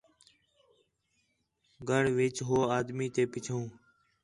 گڈھ ون٘ڄ ہو آدمی تے پِچھو